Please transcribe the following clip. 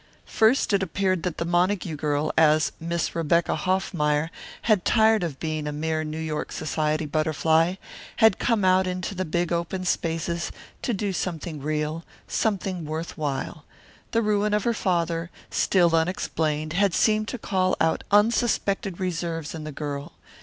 First it appeared that the Montague girl, as Miss Rebecca Hoffmeyer, had tired of being a mere New York society butterfly, had come out into the big open spaces to do something real, something worth while. The ruin of her father, still unexplained, had seemed to call out unsuspected reserves in the girl.